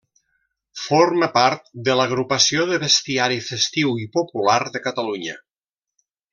Forma part de l'Agrupació de Bestiari Festiu i Popular de Catalunya.